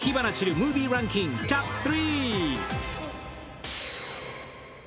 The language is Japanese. ムービーランキングトップ３。